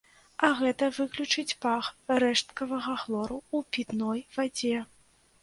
А гэта выключыць пах рэшткавага хлору ў пітной вадзе.